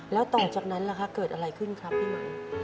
แล้วต่อจากนั้นล่ะคะเกิดอะไรขึ้นครับพี่ใหม่